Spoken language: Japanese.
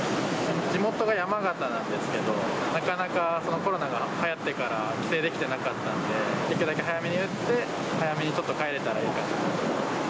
地元が山形なんですけど、なかなか、コロナがはやってから帰省できてなかったんで、できるだけ早めに打って、早めにちょっと帰れたらいいかな。